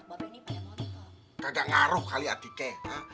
mas like kalau kebagian dipastikan